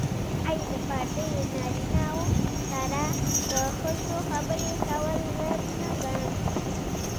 آیا د پردیو نارینه وو سره د ښځو خبرې کول عیب نه ګڼل کیږي؟